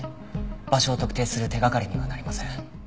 場所を特定する手掛かりにはなりません。